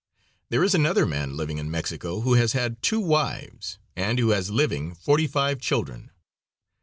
There is another man living in Mexico who has had two wives, and who has living forty five children.